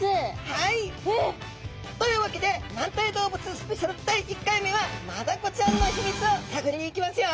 はい！というわけで軟体動物スペシャル第１回目はマダコちゃんのひみつを探りに行きますよ！